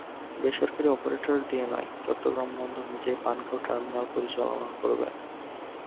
বেসরকারি অপারেটর দিয়ে নয়, চট্টগ্রাম বন্দর নিজেই পানগাঁও টার্মিনাল পরিচালনা করবে।